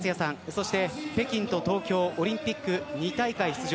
そして北京と東京オリンピック２大会出場